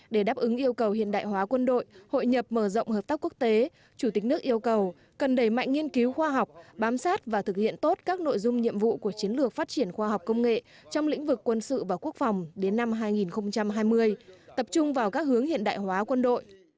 để đáp ứng yêu cầu hiện đại hóa quân đội hội nhập mở rộng hợp tác quốc tế chủ tịch nước yêu cầu cần đẩy mạnh nghiên cứu khoa học bám sát và thực hiện tốt các nội dung nhiệm vụ của chiến lược phát triển khoa học công nghệ trong lĩnh vực quân sự và quốc phòng đến năm hai nghìn hai mươi tập trung vào các hướng hiện đại hóa quân đội